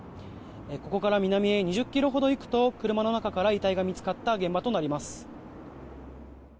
ここから南へ２０ｋｍほど行くと車の中から遺体が見つかった現場となります。